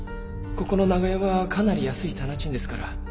ここの長屋はかなり安い店賃ですから。